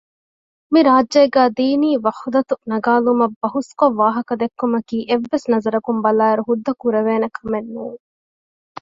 މި ރާއްޖޭގައި ދީނީ ވަޙުދަތު ނަގައިލުމަށް ބަހުސްކޮށް ވާހަކަދެއްކުމަކީ އެއްވެސް ނަޒަރަކުން ބަލާއިރު ހުއްދަކުރެވޭނެ ކަމެއް ނޫން